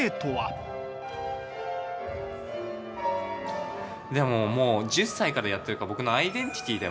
でももう１０歳からやってるから僕のアイデンティティーではありますかね。